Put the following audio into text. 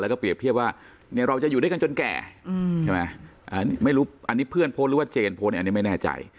แล้วก็เปรียบเทียบว่าเราจะอยู่ด้วยกันจนแก่ใช่ไหมไม่รู้อันนี้เพื่อนโพสต์หรือว่าเจนโพสต์อันนี้ไม่แน่ใจ